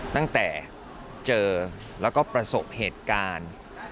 ตั้งแต่เจอแล้วก็ประสบเหตุการณ์